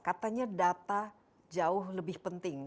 katanya data jauh lebih penting